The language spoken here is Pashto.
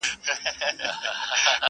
چي موږ ډېر یو تر شمېره تر حسابونو!.